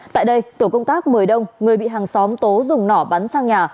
tại đây tổ công tác mời đông người bị hàng xóm tố dùng nỏ bắn sang nhà